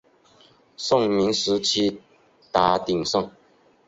宋明时期达鼎盛。